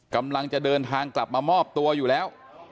กำลังจะเดินทางกลับมามอบตัวอยู่แล้ว